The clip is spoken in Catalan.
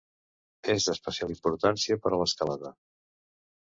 És d'especial importància per a l'escalada.